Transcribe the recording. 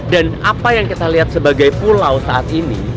dan apa yang kita lihat sebagai pulau saat ini